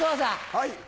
はい。